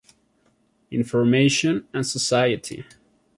Information and society.